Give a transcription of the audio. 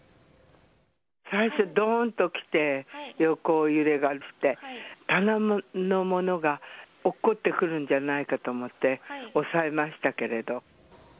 最初、どーんときて、横揺れが来て、棚のものがおっこってくるんじゃないかと思って、押さえましたけれど。